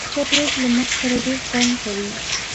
چاکلېټ له مغز سره ډېر خوند کوي.